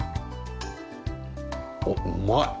あっうまい。